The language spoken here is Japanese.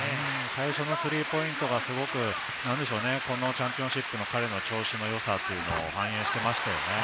最初のスリーポイントがチャンピオンシップの彼の調子のよさを反映していましたよね。